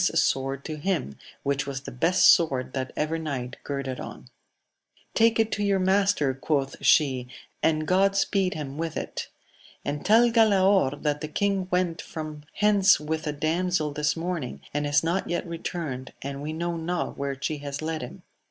193 throw the king's sword to him, which was the best sword that ever knight girded on : Take it to your master, quoth she, and God speed hipi with it ! and tell Galaor that the king went from hence with a damsel this morning, and is not yet returned, and we know not where she has led him.